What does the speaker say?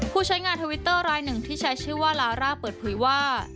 ใช้งานทวิตเตอร์รายหนึ่งที่ใช้ชื่อว่าลาร่าเปิดเผยว่า